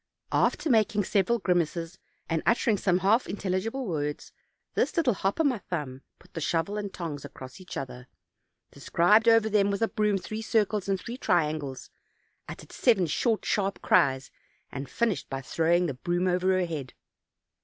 After making several grynaces, and uttering some half intelligible words, this little hop o' my thumb put the shovel and tongs across each other, described over them with the broom three circles and three triangles, uttered seven short sharp cries, and finished by throwing the broom over her head.